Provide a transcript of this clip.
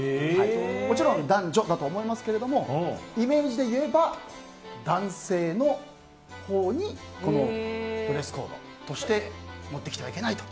もちろん男女だとは思いますけどイメージで言えば男性のほうにこのドレスコードとして持ってきてはいけないと。